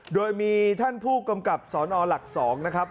โดยมีท่านผู้กำกับสนหลัก๒นะครับ